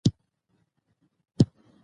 حیوانان او انسانان به مري له تندي